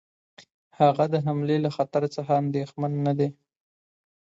هغه د حملې له خطر څخه اندېښمن نه دی.